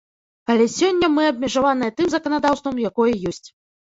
Але сёння мы абмежаваныя тым заканадаўствам, якое ёсць.